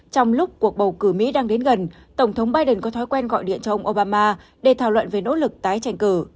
trong lúc cuộc bầu cử mỹ đang đến gần tổng thống biden có thói quen gọi điện cho ông obama để thảo luận về nỗ lực tái tranh cử